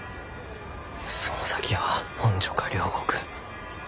その先は本所か両国。